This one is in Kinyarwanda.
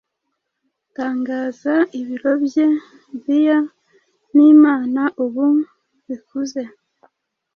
Tangaza ibiro bye bia nImana ubu bikuze,